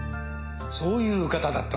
そういう方だったんですか？